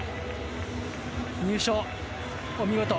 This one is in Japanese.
入賞、お見事。